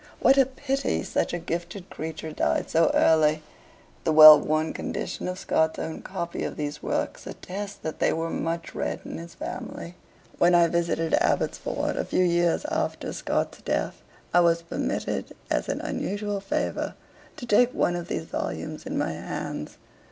What a pity such a gifted creature died so early!' The well worn condition of Scott's own copy of these works attests that they were much read in his family. When I visited Abbotsford, a few years after Scott's death, I was permitted, as an unusual favour, to take one of these volumes in my hands.